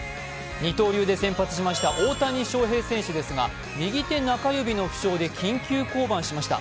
二刀流で先発しました大谷翔平選手ですが、右手中指の負傷で緊急降板しました。